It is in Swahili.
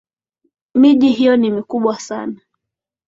Miji hiyo ni mikubwa sana